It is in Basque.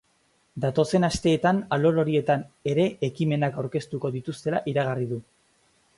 Datozen asteetan alor horietan ere ekimenak aurkeztuko dituztela iragarri du.